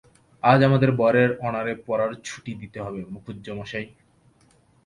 আজ আমাদের বরের অনারে পড়ার ছুটি দিতে হবে মুখুজ্যেমশায়।